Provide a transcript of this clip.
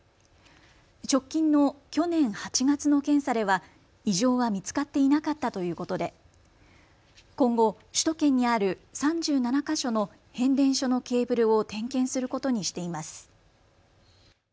直近の去年８月の検査では異常は見つかっていなかったということで今後、首都圏にある３７か所の変電所のケーブルを点検することにしています。